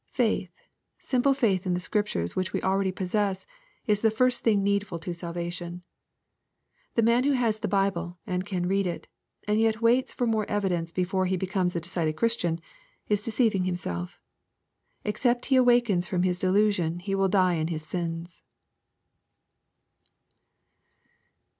Faith^ simple faith in the Scriptures which we already possess, is the first thing needful to salvation. The man who has the Bible, and can read it, and yet waits for mor^j evidence before he becomes a decided Christian, is de ceiving himself Except he awakens from his delusion he will die in his sins.